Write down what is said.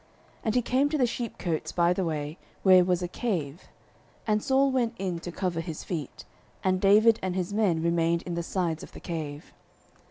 09:024:003 And he came to the sheepcotes by the way, where was a cave; and Saul went in to cover his feet: and David and his men remained in the sides of the cave.